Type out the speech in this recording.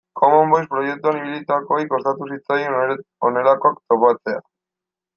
Common Voice proiektuan ibilitakoei kostatu zitzaien honelakoak topatzea.